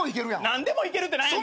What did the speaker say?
何でもいけるって何や。